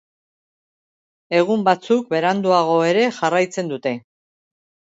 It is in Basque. Egun batzuk beranduago ere jarraitzen dute.